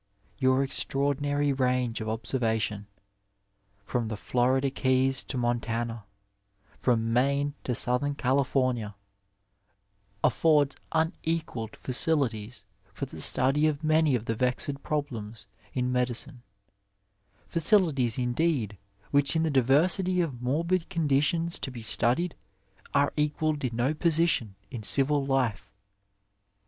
Your extraordinary range of observation, from the Florida Keys to Montana, from Maine to Southern Cali bmia, affocds unequalled facilities for the study of many JIB. 113 I Digitized byVjOOQlC _J THE ARMY SURGEON of the vexed problems in medicine — ^facilities, indeed, which in the diversity of morbid conditions to be studied are equalled in no position in civil life.